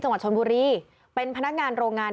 จังหวัดชนบุรีเป็นพนักงานโรงงาน